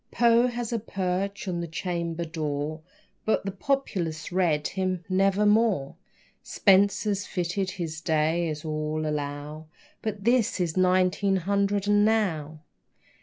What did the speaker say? Poe has a perch on the chamber door, But the populace read him "Nevermore." Spenser fitted his day, as all allow, But this is nineteen hundred and now.